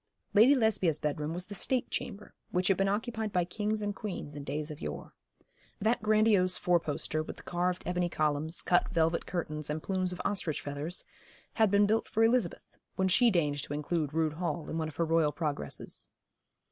Lady Lesbia's bedroom was the State chamber, which had been occupied by kings and queens in days of yore. That grandiose four poster, with the carved ebony columns, cut velvet curtains, and plumes of ostrich feathers, had been built for Elizabeth, when she deigned to include Rood Hall in one of her royal progresses.